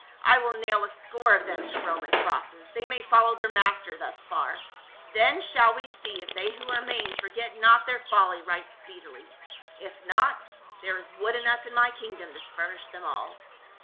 I will nail a score of them to Roman crosses — they may follow their master thus far ; then shall we see if they who remain forget not their folly right speedily, if not, there is wood enough in my kingdom to furnish them all."